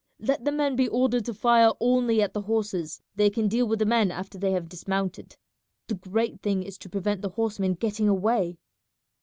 Let the men be ordered to fire only at the horses; they can deal with the men after they have dismounted. The great thing is to prevent the horsemen getting away."